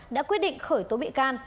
đã quyết định khởi tố bị can